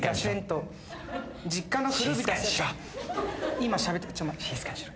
今しゃべってるから。